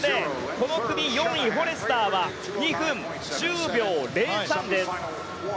この組４位、フォレスターは２分１０秒０３です。